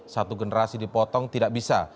satu generasi dipotong tidak bisa